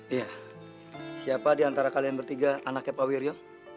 iya siapa di antara kalian bertiga anaknya pak wirjo